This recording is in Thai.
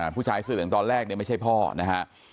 ผู้ชายเสื้อเหลืองตอนแรกเนี่ยไม่ใช่พ่อนะฮะ